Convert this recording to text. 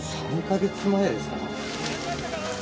３カ月前ですか？